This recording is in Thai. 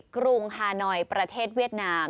กรุงฮานอยประเทศเวียดนาม